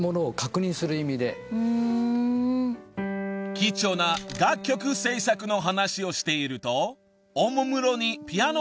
［貴重な楽曲制作の話をしていると］